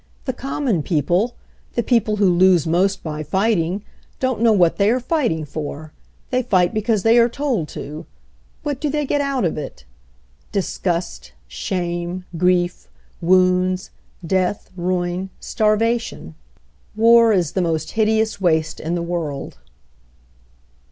The common people, the people who lose most by fighting, don't know what they are fighting for. They fight because they are told to. What do they get out of it? Disgust, THE EUROPEAN WAR 177 shame, grief, wounds, death, ruin, starvation. War is the most hideous waste in the world."